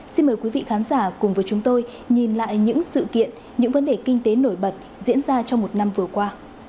xin mời quý vị khán giả cùng với chúng tôi nhìn lại những sự kiện những vấn đề kinh tế nổi bật diễn ra trong một năm vừa qua